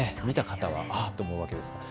見た方はあっと思うわけです。